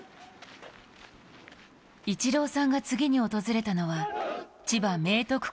イチローさんが次に訪れたのは、千葉明徳